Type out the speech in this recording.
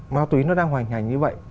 ma túy nó đang hoành hành như vậy